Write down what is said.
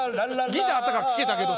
ギターあったから聞けたけど。